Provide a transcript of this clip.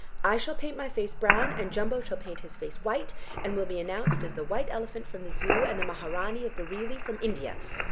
I shall paint my face brown, and Jumbo shall paint his face white, and we'll be announced as the white elephant from the Zoo, and the Maharanee of Bareilly from India.